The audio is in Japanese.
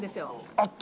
あって。